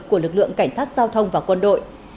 của lực lượng cảnh sát giao thông và quân đội